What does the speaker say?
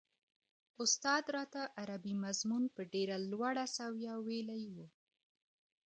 استاد راته عربي مضمون په ډېره لوړه سويه ويلی و.